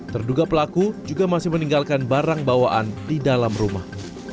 terduga pelaku juga masih meninggalkan barang bawaan di dalam rumah